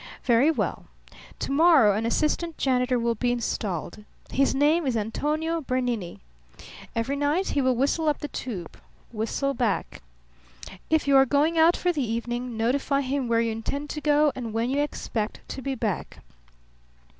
"Very well. Tomorrow an assistant janitor will be installed. His name is Antonio Bernini. Every night he will whistle up the tube. Whistle back. If you are going out for the evening notify him where you intend to go and when you expect to be back.